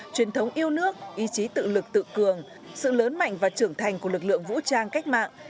truyền thống yêu nước ý chí tự lực tự cường sự lớn mạnh và trưởng thành của lực lượng vũ trang cách mạng